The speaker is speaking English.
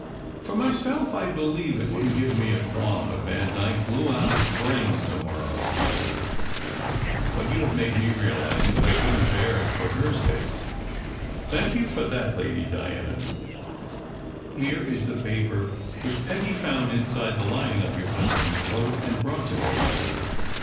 For myself, I believe it wouldn t give me a qualm if Vandyke blew out his brains to morrow, but you have made me realize that I couldn t bear it for Tier sake. Thank you for that, Lady Diana. Here is the paper which Peggy found inside the lining of your hus band s coat, and brought to me.